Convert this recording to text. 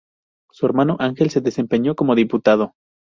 Su hermano Ángel se desempeñó como diputado.